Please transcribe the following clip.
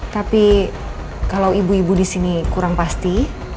tapi kalau ibu ibu disini kurang pasti